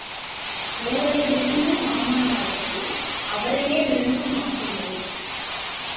ஊரை விழுங்கும் மாமனாருக்கு அவரையே விழுங்கும் மாப்பிள்ளை.